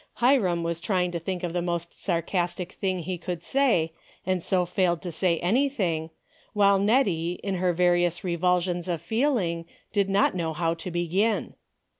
Hiram w^as trying to think of the most sar castic thing he could say, and so failed to say anything, while Nettie in her various revul sions of feeling did not know how to begin.